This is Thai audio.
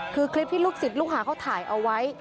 คือคลิปที่ลูกศิษย์ลูกหาเขาถ่ายเอาไว้